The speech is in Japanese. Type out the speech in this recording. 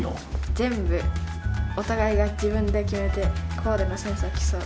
全部お互いが自分で決めてコーデのセンスを競う。